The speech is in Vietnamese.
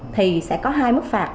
thì sẽ có hai mức phạt